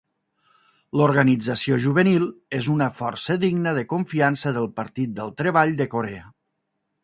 L'organització juvenil és una força digna de confiança del Partit del Treball de Corea.